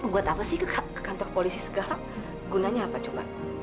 buat apa sih ke kantor polisi segala gunanya apa coba